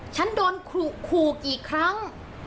ฉันโดนขู่กี่ครั้ง